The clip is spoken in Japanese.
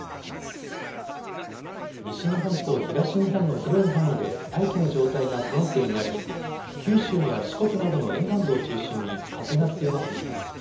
西日本と東日本の広い範囲で大気の状態が不安定になり九州や四国などの沿岸部を中心に風が強まっています。